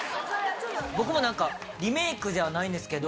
僕もリメイクではないんですけど。